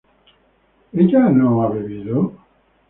¿ella no ha bebido?